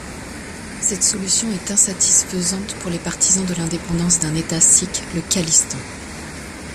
Cette solution est insatisfaisante pour les partisans de l'indépendance d'un État sikh, le Khalistan.